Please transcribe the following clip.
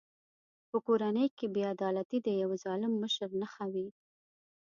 په کورنۍ کې بې عدالتي د یوه ظالم مشر نښه وي.